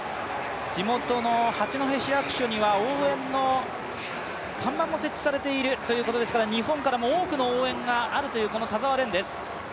地元の八戸市役所には応援の看板も設置されているということですから日本からも多くの応援があるという田澤廉です。